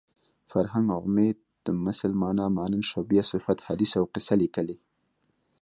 فرهنګ عمید د مثل مانا مانند شبیه صفت حدیث او قصه لیکلې